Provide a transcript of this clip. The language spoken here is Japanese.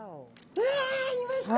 うわいました！